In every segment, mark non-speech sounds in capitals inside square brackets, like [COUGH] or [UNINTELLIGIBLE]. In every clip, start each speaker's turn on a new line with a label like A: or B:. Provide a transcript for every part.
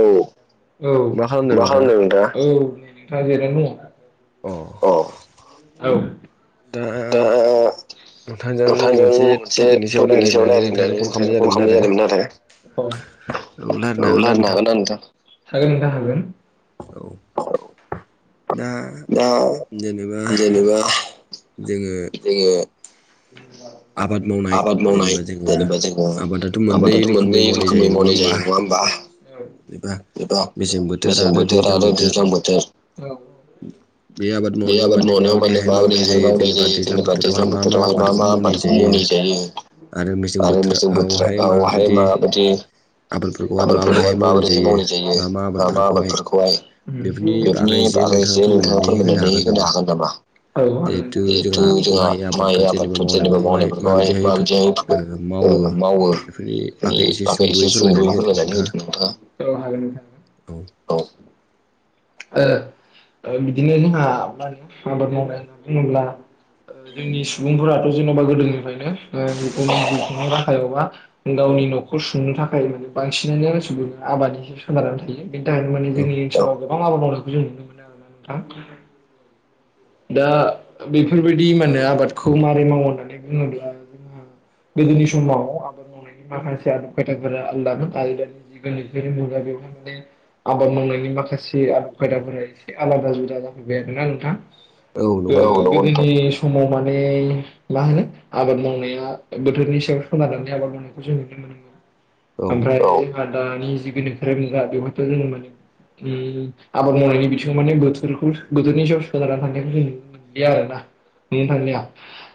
A: औ औ मा खालामदों नोंथां औ नोंथाङा जेरनो दङ। अ औ
B: दा
A: नोंथांजों मोनसे टपिकनि सायाव राय्लायनानै नोंथांजों कल खालामनाय जादोंमोन आरो
B: रायलायनो
A: औ
B: हागोन ना
A: लायरायनो हागोना नोंथां? औ हागोन नोंथां हागोन
B: औ दा
A: दा
B: जेनेबा
A: जेनेबा
B: जोङो
A: जोङो
B: आबाद
A: [UNINTELLIGIBLE]
B: मावनाय
A: आबाद मावनाय
B: जेनेबा जोङो
A: जेनेबा जोङो आबादाथ' मोननै रोखोमै मावनाय जायो नङा होमबा?
B: जेनेबा
A: बेबा
B: मेसें बोथोर
A: बेसेबुत
B: दैज्लां
A: आरो बि
B: बोथोर
A: जुथ औ बे आबाद मनेाव माने म देहाय माव लाय जायो। जेनेबा दैज्लां बोथोराव आरो मा मा आबाद मावनाय जायो आरो मेसें बोथोरा औहाय माबायदि आबादफोरा माबोरैहाय मावनाय जायो ओ मा आबादफोरखौहाय बेफोरनि बागै जे नोंथाङा फोरमायनाय [UNINTELLIGIBLE] होनो हागोन नामा? [UNINTELLIGIBLE] जोंहा माइ आबादफोर जेनेबा मावनायफोरखौहाय माबायदिहाय मावो।
B: बेफोरनि
A: नि
B: एसे
A: बागै इसे
B: सुंद'यै
A: संदयै
B: होदों
A: फोरमायनानै होदो नोंथाङा [UNINTELLIGIBLE] औ ओ बिदिनो जोंहा [UNINTELLIGIBLE] होननानै बुङोब्ला ओ जोंनि सुबुंफोराथ' जेन'बा गोदोनिफ्रायनो उन जिउ राहायावबा गावनि न'खर सुंनो थाखाय बांसिनानो गासिखौनो आबादिजोंसो सोनारनानै थायो। बेनि थाखायनो माने
B: औ
A: जोंनि ओनसोलाव गोबां आबाद मावनायखौ जों नुनो मोनो आरोना नोंथां दा बेफोरबायदि माने आबादखौ माबारै मावो होननानै बुङोब्ला जोंहा गोदोनि समाव आबाद मावनाय माखासे आदब खाफोरा आलादा आलदानि गोनो मुगा बेवहाय माने आबाद मावनायनि माखासे आदब खायदाफोरा एसे आलादा जुदा जाफैबाय आरोना नोंथां
B: औ
A: [UNINTELLIGIBLE]
B: नंगौ नोंथां
A: समाव माने मा होनो आबाद मावनाया बोथोरनि सायाव सोनारनानै आबाद मावनायखौ जों नुनो मोनो
B: औ
A: ओमफ्राय जोंहा दानि जि गोनोआरि मुगा बेवहायथ' जोङो माने उम आबाद मावनायनि बिथिंआव माने बोथोरखौ बोथोरनि सायाव सोनारनानै था जों नुनो मोनलिया आरो ना नुनो थांलिया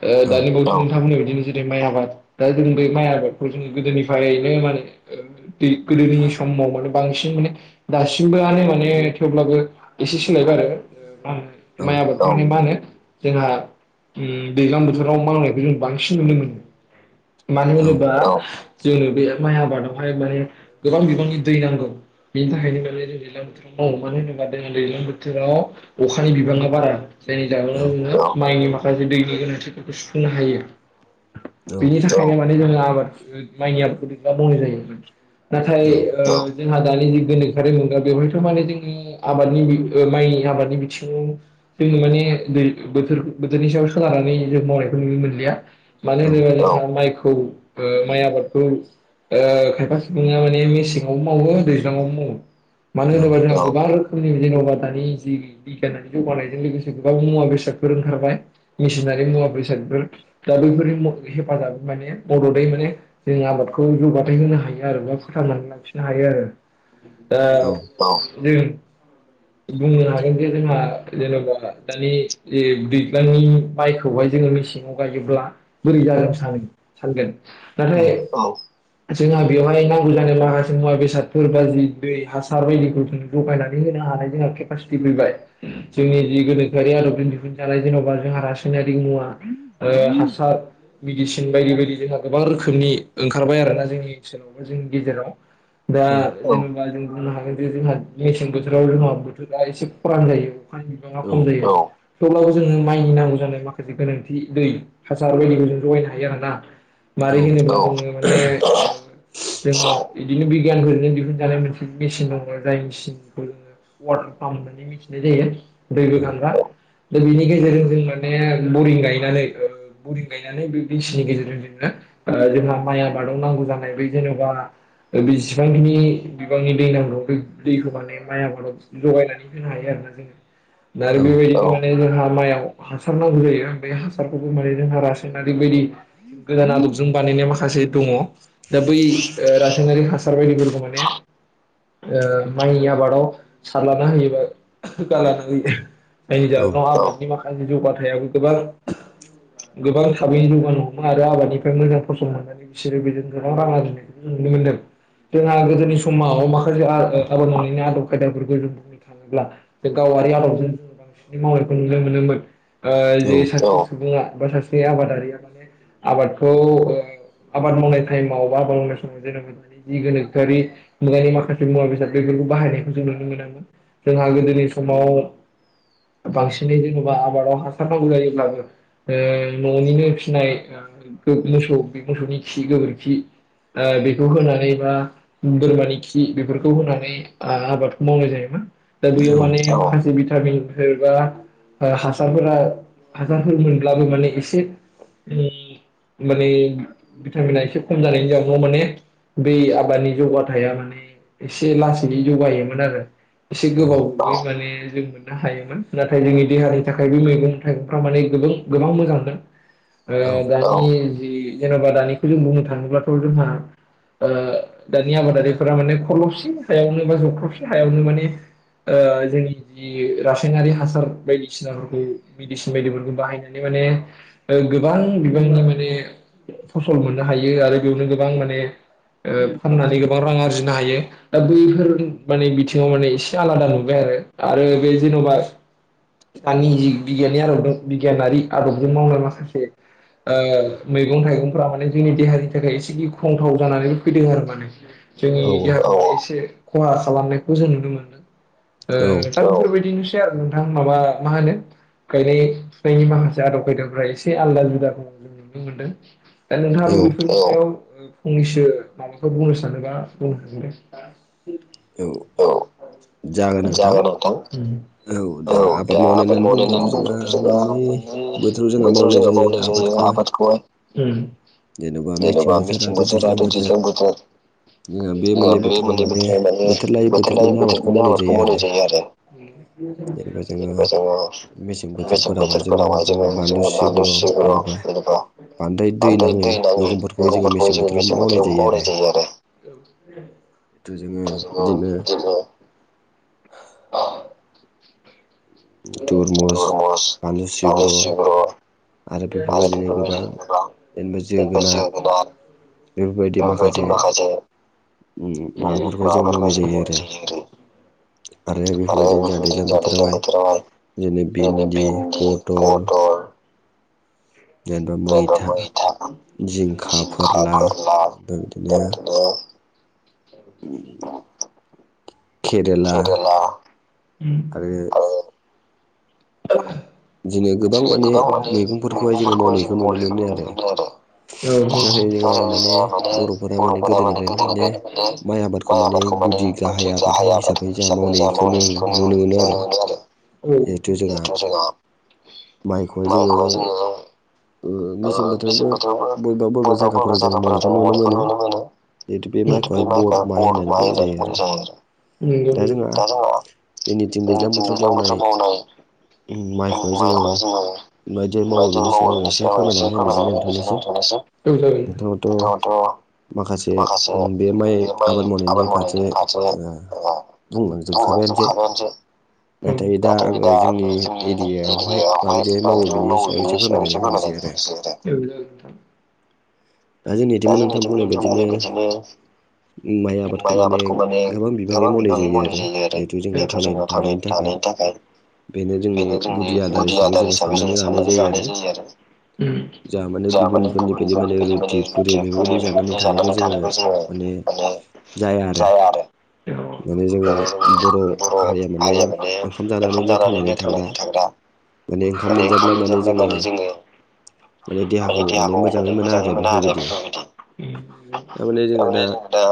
A: ओ
B: औ
A: दानि बावथ' नोंथांमोन जेरै माइ आबाद दा जों बे माइ आबादखौ जो गोदोनिफ्रायनो माने ओ बे गोदोनि समाव माने बांसिन माने दासिमबोआनो माने थेवब्लाबो एसे सोलायबाय आरो माय आबाद उम मा होनो जोंहा दैज्लां बोथोराव मावनायखौ जों बांसिन नुनो मोनो। मानो
B: औ
A: होनोबा जोंनो बे माइ आबादावहाय माने गोबां बिबांनि दै नांगौ। बेनि थाखायनो मे जों दैज्लां बोथोराव मावो मानो होनोबा जोंहा दैज्लां बोथोराव अखानि बिबाङा बारा जायनि
B: औ
A: जाहोनाव जोङो माइनि माखासे दैनि गोनांथिफोरखौ सुफुंनो हायो।
B: औ
A: बिनि थाखायनो माने जोङो आबाद माइनि आबादखौ मावनाय जायो। नाथाय ओ जोंहा दानि जि गोनोखोआरि मोनग्रा बेवहायथ' माने जोङो आबादनि ओ माइनि आबादनि बिथिङाव जोंङो माने दै बोथोर बोथोरनि सायाव सोनारानानै जों मावनायखौ नुनो मोनलिया मानो होनोबा जोंहा माइखौ माइ आबादखौ खायफा सिफुङा माने मेसेंआवबो मावो दैज्लाङावबो मावो मानो होनोबा जोंहा गोबां रोखोमनि जेन'बा दानि जि बिगियाननि जौगानाय गोबां मुवा बेसादफोर ओंखारबाय मेसिनारि मुवा बेसादफोर दा बैफोरनि हेफाजाब माने मददै माने जों आबादखौ जौगाथाय होनो हायो आरो बा फोथांनानै लाखिनो हायो आरो। दा जों बुंनो हागोन जे जोंहा जेनेबा दानि दैज्लांनि माइखौहाय जोङो मेसेंआव गायोब्ला बोरै जानो सानगोन नाथाय औ जोंहा बेवहाय नांगौ जानाय माखासे मुवा बेसादफोर ब जि दै हासार बायदिखौ जोंङो जगायनानै होनो हानाय जोंहा केपासिटि फैबाय जोंनि जि गोनोखोआरि आदबजों दिहुनजानाय जेन'बा जोंहा रासायनारि मुवा ओ हासार मेडिसिन बायदि बायदि जोंहा गोबां रोखोमनि ओंखारबाय आरोना जोंनि ओनसोलावबो जोंनि गेजेराव दा एखनबा जों बुंनो हागोन जे जोंहा मेसें बोथोराव जोंहा बोथोरा एसे खरान जायो। औ थेवब्लाबो जोङो माइनि नांगौ जानाय माखासे गोनांथि दै हासार बायदिखौ जों जगायनो हायो आरो ना माबोरै होनोबानो माने जो बिदिनो बिगियानफोरजोंनो दिहुनजानाय मोनसे मेसिन दङ जाय मेसिनखौ जोङो वाटार पाम्प होननानै मिथिनाय जायो दै गोखो दानग्रा दा बेनि गेजेरजों जों माने बरिं गायनानै बरिं गायनानै बे दैसिनि गेजेरजोंनो ओ जोंहा माइ आबादाव नांगौ जानाय बै जेन'बा बेसेबांखिनि बिबांनि दै नांगौ बे दैखौ माने माइ आबादाव जगायनानै होनो हायो आरो। औ जोंहा माइयाव हासार नांगौ जायो बे हासारखौबो माने जोंहा रासायनारि बायदि गोदान आलबजों बानायनाय माखासे दङ दा बै ओ रासायनारि हासार बायदिफोरखौ माने ओ माइनि आबादाव सारला होयोबा गालानानै जायनि जाहोनाव आबादनि माखासे जौगाथायाबो गोबां गोबां थाबै जौगानो हमो आरो आबादनिफ्राय मोजां फसल मोननानै बिसोरो बेजों गोबां रां आरजिनायखौ जों नुनो मोनदों जोंहा गोदोनि समाव माखासे आबाद मावनायनि आदब खायदाफोरखौ जों ब्ला बे गावारि आबाद बांसिनै मावनायखौ नुनो मोनोमोन ओ जे सासे सुबुङा बा सासे आबादारिया माने आबादखौ आबाद मावनाय टाइमाव बा आबाद मावनाय समाव जोनोम मोननानै जि गोनोखोआरि मुगानि माखासे मुवा बेसाद बाहायनायखौ जों नुनो मोनोमोन जोंहा गोदोनि समाव
B: [UNINTELLIGIBLE]
A: बांसिनै जेन'बा आबादाव हासार नांगौ जायोब्लाबो न'निनो फिनाय गो मोसौ मोसौनि खि गोबोरखि ओ बेखौ होनानै बा बोरमानि खि बेफोरखौ होनानै आ- आबादखौ मावनाय जायोमोन दा बेयाव माने [UNINTELLIGIBLE] बिदै भिटामिनफोर बा हासारफोरा हासारफोर मोनब्लाबो माने एसे माने भिटामिना एसे खम जानायनि जाहोनाव माने बै आबादनि जौगाथायाइा माने एसे लासै जौगायोमोन आरो एसे गोबाव माने जों हायोमोन नाथाय जोंनि देहानि थाखाय बे मैगं थाइगंफ्रा माने गोबां गोबां मोजांमोन ओ दानि जि जेन'बा दानिखौ जों बुंनो थाङोब्लाथ' जोंहा ओ दानि आबादारिफोरा माने ख्लबसे हायावनो बा जख्लबसे हायावनो माने ओ जोंनि जि रायनारि हासार बायदिसिना फोरखौ मेदिसिन बायदिफोरखौ बाहायनानै माने ओ गोबां बिबांनि माने फसल मोननो हायो आरो बेयावनो गोबां माने ओ फाननानै गोबां रां आरजिनो हायो दा बैफोर माने बिथिङाव माने एसे आलादा नुबाय आरो आरो बे जेन'बा आंनि जि बिगियाननि आदब दों बिगियानारि आदबजों मावनाय माखासे ओ मैगं थाइगंफोरा माने जोंनि देहानि थाखाय एसे गिख्रंथाव जानानैबो फैदों आरो माने जोंनि देहाखौ एसे खहा खालामनायखौ जों नुनो मोनदों
B: औ
A: ओ दा बेफोरबायदिनोसै आरो नोंथां माबा मा होनो गायनाय फुनायनि माखासे आदब खायदाफ्रा एसे आलदा जुदाखौ जों नुनो मोनदों दा
B: औ
A: नोंथाङाबो
B: औ
A: बेफोरनि सायाव फंनैसो माबाफोर बुंनो सानोबा बुंनो हागोन दे
B: औ जागोन नोंथां
A: उम औ दा आबाद मावनायनि बुंनावथ' जोंहा मोननै बोथोराव जोंहा मावनाय जायो आबादखौहाय उम जेनबा मेसें बोथोर आरो दैज्लां बोथोर ओ बे मोननै बोथोराव माने बोथोर लायै बोथोर माने आबादखौ मावनाय जायो आरो जेनेबा जोङो मेसें बोथोरफोरावहाय जोङो जोङो मा गुसु ओ जेनबा बांद्राय दै नाङि मैगंफोरखौहाय जोङो मेसें बोथोरावनो मावनाय जायो आरो [UNINTELLIGIBLE]
B: जिथु जोङो बिदिनो तुरमुस
A: थुरमुस बानलु सिब्र' आरो बेफोरबादिनो गोबां
B: जेनेबा
A: जेनबा
B: जोगोनार
A: जोङो गोबां बेफोरबायदि माखासे
B: मावनाय
A: माबाफोरखौ जों
B: जायो
A: मावनाय
B: आरो
A: जायो आरो आरो गुबुनथिं जोंहा दैज्लां बोथोराव हाय जेनो भिन्दि पटल
B: जेनेबा मैथा जिंखा फोरला ओमफ्राय बिदिनो
A: बेबायदिनो
B: उम केरेला आरो
A: औ जेरै गोबां माने मैगंफोरखौहाय जों मावनायखौ नुनो मोनो आरो औ दा जों जि जायामानो बर'फोरा माने गोदोनिफ्रायनो माने माइ आबादखौ माने गुदि जाहा गाहाइ आबाद हिसाबै जा मावनायखौनो नुनो मोनो आरो जिहेतु जोंहा माइखौहाय जोङो ओ मेसें बोथोरावबो बबेबा बबेबा जायगाफोर जों मावनायखौ नुनो मोनो उम बे माइखौहाय बर माइ होननानै बुंजायो नंगौ नंगौ दा जोङो जोंनिथि दैज्लाां बोथोराव मावनाय
B: माइखौहाय जोङो माबायदि मावो बिनि सायाव आं एसे फोरमायनानै होनोसै नोंथांनिसिम नोंथांङाबोथ'
A: नोंथाङाथ'
B: माखासे उम बे माइ आबाद मावनायनि फारसे ओ बुंलांजोबखाबायानोसै नाथाय दा आङो जोंनि एरियायाव
A: एरियायावहाय दानि जुगनि माइ गायनायनि
B: होनोसै
A: सोमोनदै
B: आरो
A: एसे फोरमायनानै होनोसै आरो दा जोंनिथिंबो नोंथां बुंनायबादिनो माइ आबादखौ माने गोबां बिबाङै मावनाय जायो आरो जिहेतुथ' जोंनियाव थाखाय
B: बेनो जोंनि गुदि आदार हिसाबै जोङो साननानै लानाय जायो आरो जा माने गुबुनफोरनि बायदि माने रुटि फुरि बेफोरबायदि जानानै थानायखौ जोङो माने जाया आरो
A: माने जोङो बर' हारिया माने ओंखाम जानानै थांनानै थाग्रा माने ओंखाम मोनजायाब्ला माने जोङो माने देहाखौ माने मोजाङै मोना आरो बेफोरबायदि थारमाने जों दा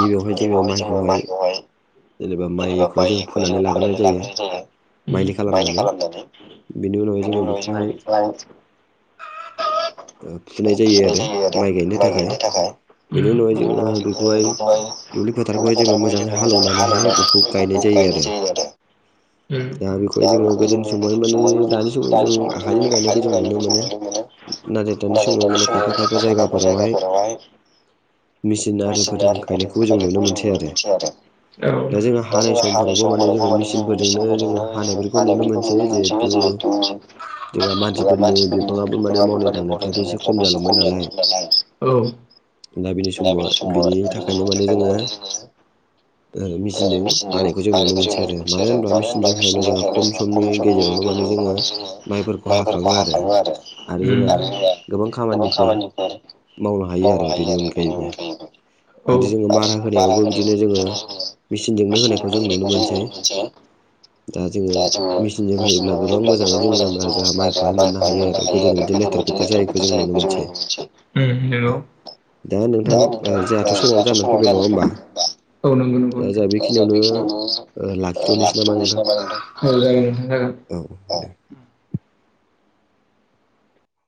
B: गिबियावहाय जोङो माइखौहाय जेनेबा माइखौहाय जों फोनानै लागोनाय जायो माइलि खालामनानै
A: बिदि बेनि उनावहाय जों बेखौहाय
B: [INAUDIBLE] फुनाय जायो आरो माइ गायनो थाखाय बेनि उनावहाय जोङो बेखौहाय दुब्लि फोथारखौहाय जोङो मोजाङै हालौवनानैहाय बेखौ गायनाय जायो आरो दा बेखौ जोङो गोदो
A: गोदोनि समाव माने दानि समाव जों आखाइजों गायनायखौ जों नुनो मोनो दा दानि समाव खायफा खायफा जायगाफोरावहाय मिचनिफोर गायनायखौबो जों नुनो मोनसै आरो
B: जोङो
A: दा
B: हानाय
A: जोंहा समफोरावबो
B: जोङो
A: माने जों
B: मेसिनफोरजोंनो जोङो
A: मेसििनफोरजोंनो
B: हानायफोरखौ
A: बानायफोरखौ
B: मोनसै
A: नुनो मोनसिबो
B: जिहेथु
A: जोहथु
B: जोंहा मानसिफोरनि बिबाङाबो माने मावनाय दांनायफ्राबो एसे खम जालांबाय नालाय दा बिनि समाव बिनि थाखायनो माने जोङो
A: [UNINTELLIGIBLE] [UNINTELLIGIBLE]
B: ओ मेचिनजों
A: मेचनजों
B: हानायखौ जों नुनो
A: बखौ जोंनो मोनसै आरो मानो होनबा
B: मेचिनजों हायोब्ला
A: मेचनजों
B: जोंहा समनि
A: खम सम
B: गेजेरावनो माने
A: जोङो माइफोरखौ हाखाङो आरो
B: गोबां खामानिफोर मावनो हायो आरो बेनि अनगायैबो
A: [UNINTELLIGIBLE] [UNINTELLIGIBLE] औ
B: जोङो
A: आरो
B: मारा
A: जोंबो बारा
B: होनायावबो बिदिनो जोङो मेचिनजोंनो होनायखौ जों नुनो मोनसै
A: [UNINTELLIGIBLE] [UNINTELLIGIBLE]
B: दा जोङो मि सिनजों होयोब्ला गोबां मोजाङै जोङो जोंहा माइखौहाय मोननो हायो आरो गोदोनि बायदि लेथेर फेथेर जायखौ जों नुनो मोनसै
A: बेनोसै उम नंगौ दा
B: ओ
A: नोंथां
B: समाबो
A: जोंहाथ' समावनो
B: फैबाय नङा
A: जानानै
B: होमबा
A: ओ नंगौ नंगौ
B: दा जोंहा
A: नोंथ
B: बेखिनियावनो
A: बेखिनियाव
B: लाखिथ'नोसै नामा नोंथां
A: [UNINTELLIGIBLE]
B: औ दे